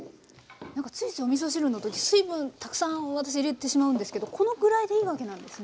なんかついついおみそ汁の時水分たくさん私入れてしまうんですけどこのぐらいでいいわけなんですね。